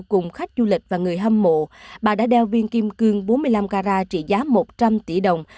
cùng khách du lịch và người hâm mộ bà đã đeo viên kim cương bốn mươi năm cara trị giá một trăm linh tỷ đồng